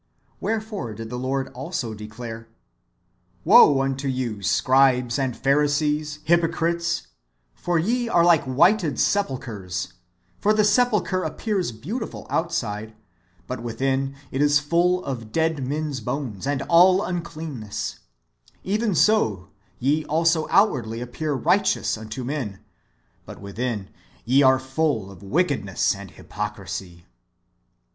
^ Wherefore did the Lord also declare :" Woe unto you, scribes and Pharisees, hypocrites, for ye are like whited sepulchres. For the sepulchre appears beautiful outside, but within it is full of dead men's bones, and all uncleanness ; even so ye also outwardly appear righteous unto men, but within ye are full of wickedness and hypocrisy."